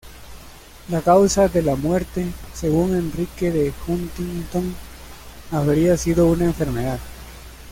La causa de la muerte, según Enrique de Huntingdon, habría sido una enfermedad.